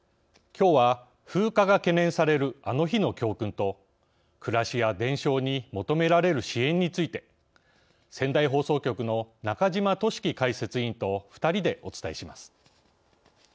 きょうは、風化が懸念されるあの日の教訓と暮らしや伝承に求められる支援について仙台放送局の中島俊樹解説委員と２人でお伝えします。